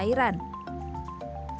sehingga tubuh tidak kekurangan cairan